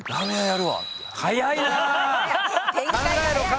早いなぁ。